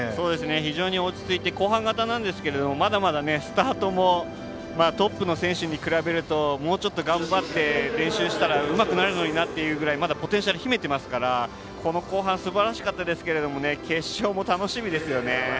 非常に落ち着いて後半型なんですけどまだまだ、スタートもトップの選手に比べるともうちょっと頑張って練習したらうまくなるのになっていうまだポテンシャル秘めていますからこの後半すばらしかったですけれども決勝も楽しみですよね。